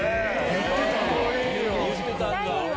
言ってたんだ。